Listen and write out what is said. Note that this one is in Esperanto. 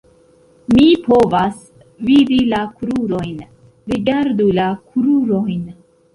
Mi povas vidi la krurojn, rigardu la krurojn.